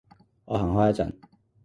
我行開一陣